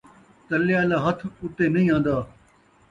تلے آلا ہتھ، اُتے نئیں آندا